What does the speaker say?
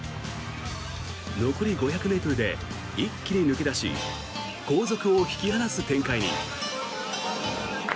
残り５００ｍで一気に抜け出し後続を引き離す展開に。